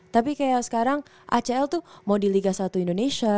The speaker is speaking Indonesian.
tapi kayak sekarang acl tuh mau di liga satu indonesia